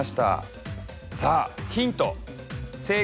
さあヒントえっ。